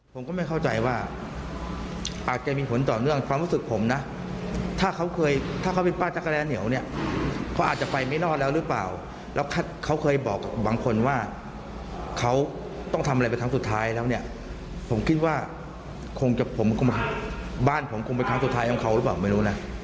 ผมก็ไม่เข้าใจว่าอาจจะมีผลต่อเนื่องความรู้สึกผมนะถ้าเขาเคยถ้าเขาเป็นป้าจักรแร้เหนียวเนี่ยเขาอาจจะไปไม่รอดแล้วหรือเปล่าแล้วเขาเคยบอกกับบางคนว่าเขาต้องทำอะไรเป็นครั้งสุดท้ายแล้วเนี่ยผมคิดว่าคงจะผมคงบ้านผมคงเป็นครั้งสุดท้ายของเขาหรือเปล่าไม่รู้นะ